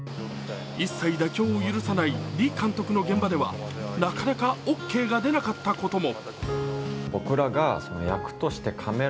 一切妥協を許さないリ監督の現場ではなかなかオーケーが出ないことも。